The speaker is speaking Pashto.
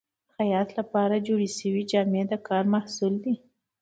د خیاط لپاره جوړې شوې جامې د کار محصول دي.